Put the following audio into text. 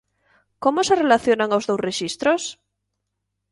Como se relacionan os dous rexistros?